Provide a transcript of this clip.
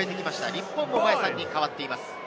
日本も前３人が代わっています。